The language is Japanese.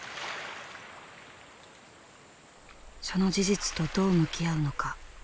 その事実とどう向き合うのか。